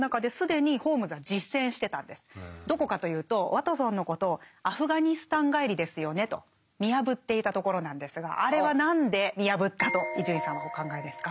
どこかというとワトソンのことを「アフガニスタン帰りですよね」と見破っていたところなんですがあれは何で見破ったと伊集院さんはお考えですか？